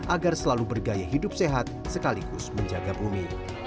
agar selalu bergaya hidup sehat sekaligus menjaga bumi